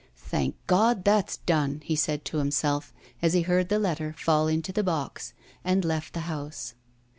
"Thank God, that's done!" he said to himself, as he heard the letter fall into the box, and left the house.